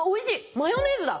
マヨネーズだ。